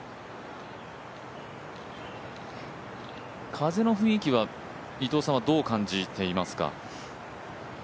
風の雰囲気は伊藤さんはどう感じていますか？